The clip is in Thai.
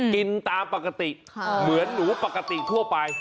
กินตามปกติเหมือนหนูปกติทั่วไป